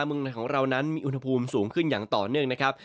เมืองในของเรานั้นมีอุณหภูมิสูงขึ้นอย่างต่อเนื่องนะครับ